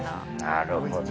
なるほど。